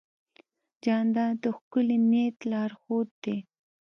جانداد د ښکلي نیت لارښود دی.